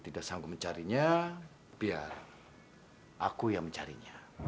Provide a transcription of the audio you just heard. tidak sanggup mencarinya biar aku yang mencarinya